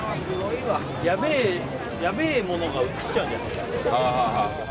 やべえものが映っちゃうんじゃない？